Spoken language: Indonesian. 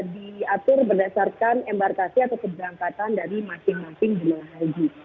diatur berdasarkan embarkasi atau keberangkatan dari masing masing jemaah haji